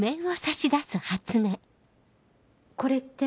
これって。